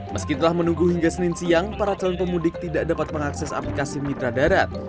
meski telah menunggu hingga senin siang para calon pemudik tidak dapat mengakses aplikasi mitra darat